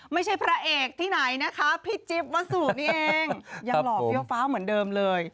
พระเอกที่ไหนนะคะพี่จิ๊บวัสสุนี่เองยังหล่อเฟี้ยวฟ้าเหมือนเดิมเลย